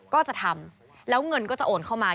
ก็จะทำแล้วเงินก็จะโอนเข้ามา